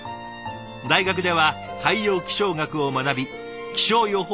大学では海洋気象学を学び気象予報士の資格を取得。